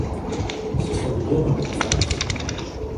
Setsto de blommen yn de faas?